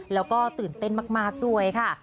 แล้วก็ตื่นเต้นมากด้วยค่ะ